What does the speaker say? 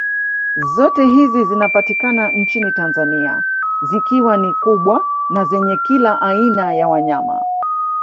Zote hizi zinapatika nchini Tanzania zikiwa ni kubwa na zenye kila aina ya wanyama